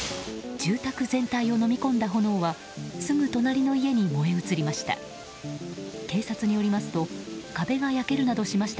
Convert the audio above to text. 住宅全体をのみ込んだ炎はすぐ隣の家に燃え移りました。